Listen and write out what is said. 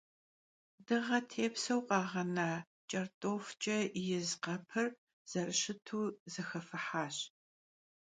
Dığe têpseu khağena ç'ert'ofç'e yiz khepır zerışıtu zexefıhaş.